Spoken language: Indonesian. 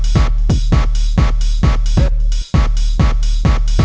kamu bapak bunuh